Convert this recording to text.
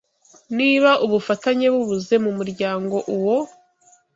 Niba ubufatanye bubuze mumuryango uwo